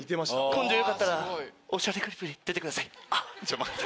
今度よかったら『おしゃれクリップ』に出てください。